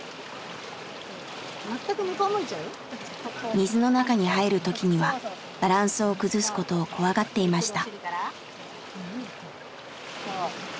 水の中に入る時にはバランスを崩すことを怖がっていました。